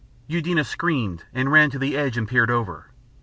Eudena screamed and ran to the edge and peered over.